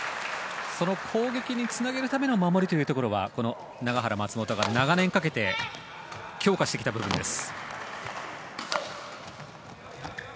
攻撃につなげる守りというのは永原、松本が長年かけて強化してきた部分です。